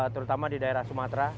terutama di daerah sumatera